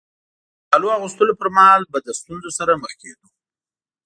د کالو اغوستلو پر مهال به له ستونزو سره مخ کېدو.